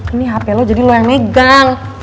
ini hp lo jadi lo yang legal